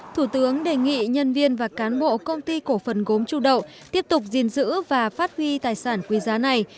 thủ tướng đề nghị nhân viên và cán bộ công ty cổ phần gốm chu đậu tiếp tục gìn giữ và phát huy tài sản quý giá này